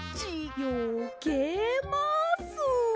よけます！